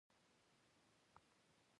هغه وويل بس همدا د ميراث حکم دى.